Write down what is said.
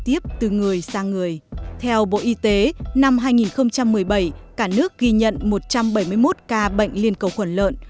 tiếp từ người sang người theo bộ y tế năm hai nghìn một mươi bảy cả nước ghi nhận một trăm bảy mươi một ca bệnh liên cầu khuẩn lợn